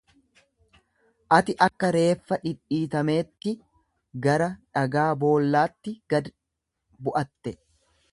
Ati akka reeffa dhidhiitameetti gara dhagaa boollaatti gad bu’atte.